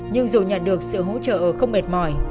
nhưng dù nhận được sự hỗ trợ không mệt mỏi